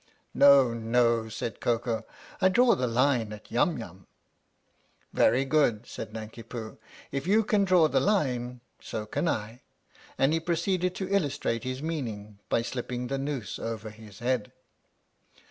" No, no," said Koko, " I draw the line at Yum Yum." "Very good," said Nanki Poo. " If you can draw the line, so can I." And he proceeded to illustrate his meaning by slipping the noose over his head.